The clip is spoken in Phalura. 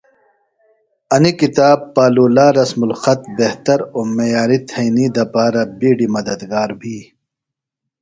انیۡ کِتاب پالولا رسم الخط بہتر او معیاریۡ تھئنی دپارہ بیڈیۡ مدد گار بھی۔